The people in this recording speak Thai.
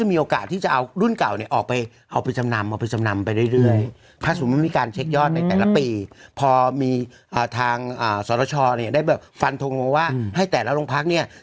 อีกครั้งแต่ทางตรวจออกมาบอกนะคะว่าร้อยห้าสิบเก้ากระบอกเนี้ย